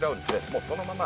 もうそのまま